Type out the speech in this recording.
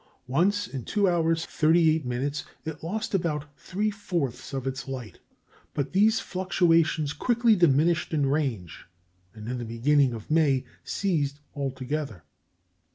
Once in 2 hours 38 minutes it lost about three fourths of its light, but these fluctuations quickly diminished in range, and in the beginning of May ceased altogether.